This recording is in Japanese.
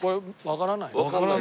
わからない。